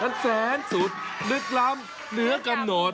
มันแสนสุดลึกล้ำเหนือกำหนด